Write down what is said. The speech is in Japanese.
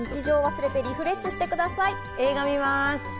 映画、見ます。